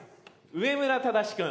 上村正君。